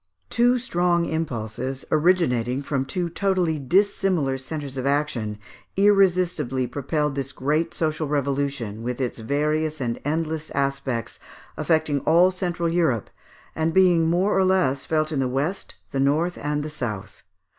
Two strong impulses, originating from two totally dissimilar centres of action, irresistibly propelled this great social revolution, with its various and endless aspects, affecting all central Europe, and being more or less felt in the west, the north, and the south.